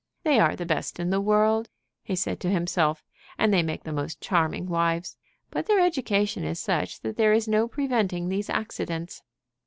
"They are the best in the world," he said to himself, "and they make the most charming wives; but their education is such that there is no preventing these accidents."